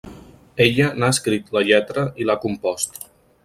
Ella n'ha escrit la lletra i l'ha compost.